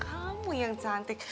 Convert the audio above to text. kamu yang cantik